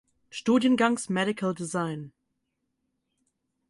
Studiengangs „Medical Design“.